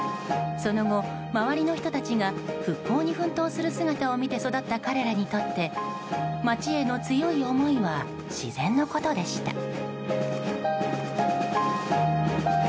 その後、周りの人たちが復興に奮闘する姿を見て育った彼らにとって町への強い思いは自然のことでした。